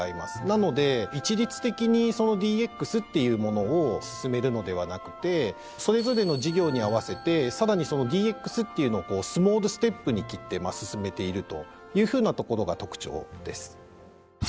なので一律的にそのＤＸっていうものを進めるのではなくてそれぞれの事業に合わせてさらにそのＤＸっていうのをスモールステップに切って進めているというふうなところが特徴です。